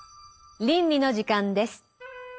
倫理の時間です。